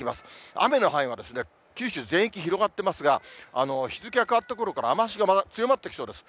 雨の範囲は九州全域、広がってますが、日付が変わったころから雨足がまた強まってきそうです。